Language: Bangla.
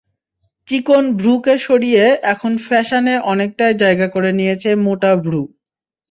চিকন ভ্রুকে সরিয়ে এখন ফ্যাশনে অনেকটাই জায়গা করে নিয়েছে মোটা ভ্রু।